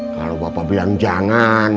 kalau bapak bilang jangan